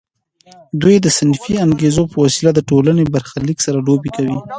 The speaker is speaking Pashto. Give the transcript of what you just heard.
دوی د صنفي انګیزو په وسیله د ټولنې برخلیک سره لوبې کوي